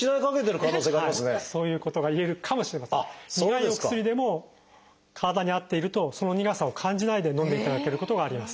苦いお薬でも体に合っているとその苦さを感じないでのんでいただけることがあります。